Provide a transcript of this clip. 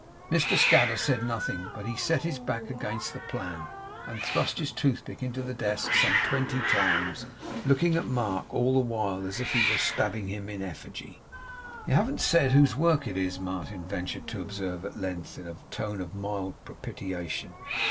Mr Scadder said nothing, but he set his back against the plan, and thrust his toothpick into the desk some twenty times; looking at Mark all the while as if he were stabbing him in effigy. 'You haven't said whose work it is,' Martin ventured to observe at length, in a tone of mild propitiation.